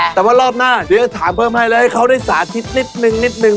แต่ว่ารอบหน้าเดี๋ยวจะถามเพิ่มให้แล้วให้เขาได้สาธิตนิดนึงนิดนึง